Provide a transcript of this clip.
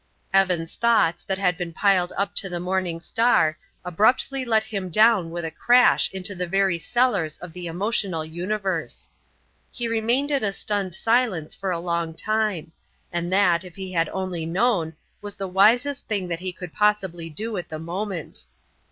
Evan's thoughts, that had been piled up to the morning star, abruptly let him down with a crash into the very cellars of the emotional universe. He remained in a stunned silence for a long time; and that, if he had only known, was the wisest thing that he could possibly do at the moment.